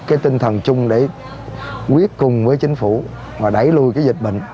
cái tinh thần chung để quyết cùng với chính phủ và đẩy lui cái dịch bệnh